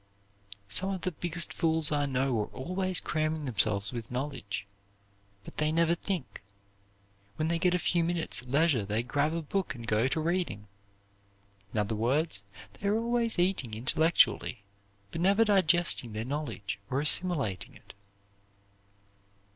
Some of the biggest fools I know are always cramming themselves with knowledge. But they never think. When they get a few minutes' leisure they grab a book and go to reading. In other words, they are always eating intellectually, but never digesting their knowledge or assimilating it.